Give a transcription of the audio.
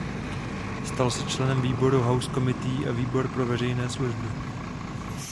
Stal se členem výboru House Committee a výboru pro veřejné služby.